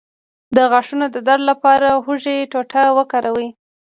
د غاښونو د درد لپاره د هوږې ټوټه وکاروئ